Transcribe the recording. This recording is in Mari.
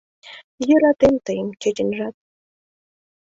Йӧратем тыйым, чеченжат...